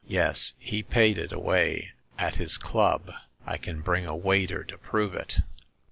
Yes, he paid it away at his club : I can bring a waiter to prove it."